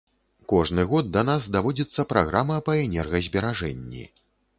Кожны год да нас даводзіцца праграма па энергазберажэнні.